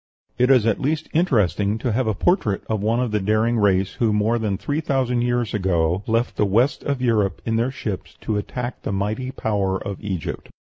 It is at least interesting to have a portrait of one of the daring race who more than three thousand years ago left the west of Europe in their ships to attack the mighty power of Egypt.